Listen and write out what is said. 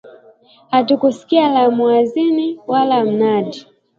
hatukusikia la muadhini wala mnadi swala